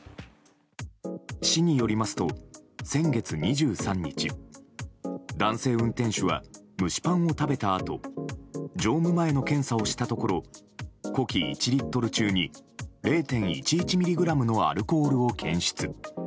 市によりますと先月２３日、男性運転手は蒸しパンを食べたあと乗務前の検査をしたところ呼気１リットル中に０．１１ミリグラムのアルコールを検出。